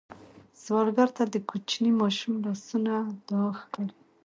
سوالګر ته د کوچني ماشوم لاسونه دعا ښکاري